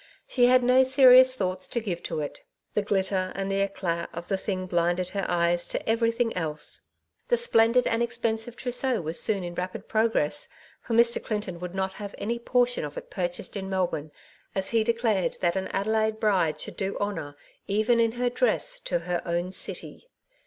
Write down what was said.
She had no serious thoughts to give to it — the glitter and the edai of the thing blinded her eyes to every thing else. The splendid and extensive trousseau was soon in rapid progress, for Mr. Clinton would not have any portion of it purchased in Melbourne, as he declared that an Adelaide bride should do honour even in her dress to her own cifcy.